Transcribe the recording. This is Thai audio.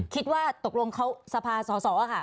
คิดว่าตกลงเขาสภาสอสอค่ะ